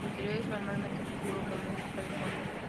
El interior es normalmente oscuro con música de fondo.